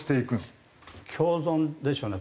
共存でしょうね